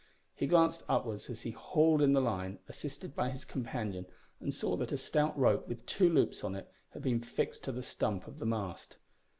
He glanced upwards as he hauled in the line, assisted by his companion, and saw that a stout rope with two loops on it had been fixed to the stump of the mast.